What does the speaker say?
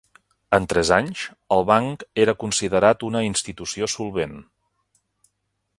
En tres anys, el banc era considerat una institució solvent.